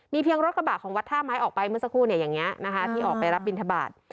มีเพียงรถกระบาดของวัดท่าไม้ออกไปเมื่อสักครู่อย่างนี้ที่ออกไปรับบิณฑบาต